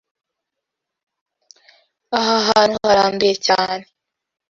Aha hantu haranduye cyane.